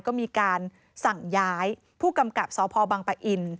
ก็มีการสั่งย้ายผู้กำกับสพบังปะอิน